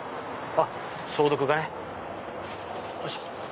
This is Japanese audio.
あっ消毒がね！